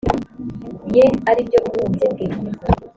ye ari byo butunzi bwe